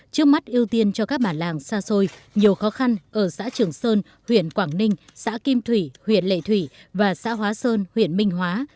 trước mắt ưu tiên cho các bản làng xa xôi nhiều khó khăn ở xã trường sơn huyện quảng ninh xã kim thủy huyện lệ thủy và xã hóa sơn huyện minh hóa